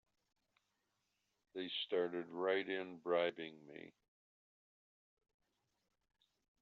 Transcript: They started right in bribing me!